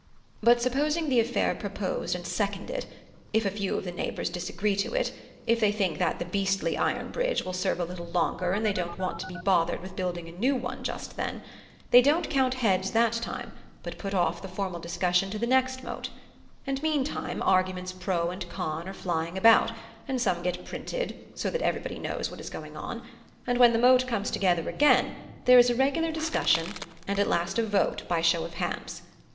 But supposing the affair proposed and seconded, if a few of the neighbours disagree to it, if they think that the beastly iron bridge will serve a little longer and they don't want to be bothered with building a new one just then, they don't count heads that time, but put off the formal discussion to the next Mote; and meantime arguments pro and con are flying about, and some get printed, so that everybody knows what is going on; and when the Mote comes together again there is a regular discussion and at last a vote by show of hands.